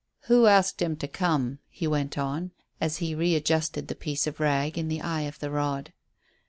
"Who asked him to come?" he went on, as he re adjusted the piece of rag in the eye of the rod.